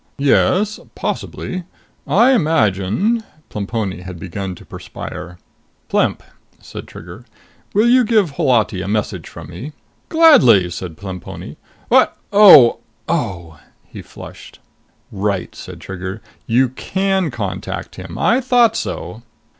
"Yes. Possibly. I imagine...." Plemponi had begun to perspire. "Plemp," said Trigger, "will you give Holati a message from me?" "Gladly!" said Plemponi. "What oh, oh!" He flushed. "Right," said Trigger. "You can contact him. I thought so."